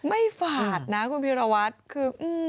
ไม่ฝากนะคุณพิรวัติคือ